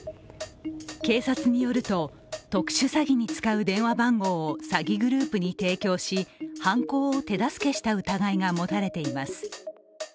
警察によると、特殊詐欺に使う電話番号を詐欺グループに提供し、犯行を手助けした疑いが持たれています。